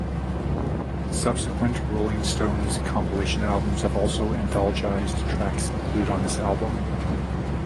Subsequent Rolling Stones compilation albums have also anthologised tracks included on this album.